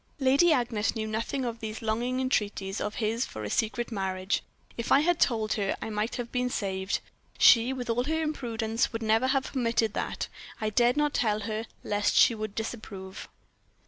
"Lady Agnes knew nothing of these longing entreaties of his for a secret marriage. If I had told her I might have been saved. She, with all her imprudence, would never have permitted that. I dared not tell her, lest she should disapprove.